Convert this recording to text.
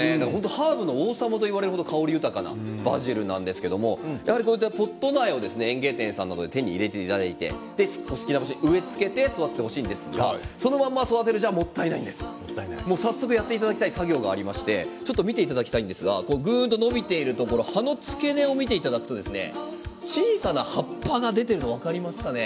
ハーブの王様と言われるぐらい香り豊かなバジルなんですけどポット苗を園芸店さんで手に入れていただいて植え付けて育ててほしいんですがそのまま育てるんじゃもったいないです早速やっていただきたい作業がありましてちょっと見ていただきたいんですがぐっと伸びているところ葉の付け根を見ていただくと小さな葉っぱが出ているの分かりますかね。